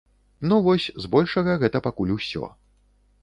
Ну вось, збольшага гэта пакуль усё.